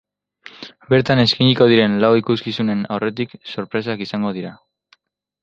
Bertan eskainiko diren lau ikuskizunen aurretik sorpresak izango dira.